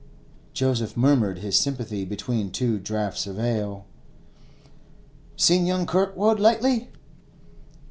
Joseph murmured his sympathy between two draughts of ale. 'Seen young Kirkwood lately?